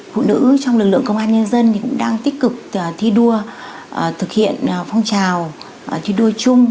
phụ nữ trong lực lượng công an nhân dân cũng đang tích cực thi đua thực hiện phong trào thi đua chung